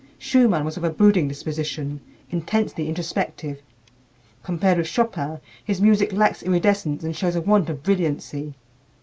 Schumann was of a brooding disposition, intensely introspective. Compared with Chopin, his music lacks iridescence and shows a want of brilliancy.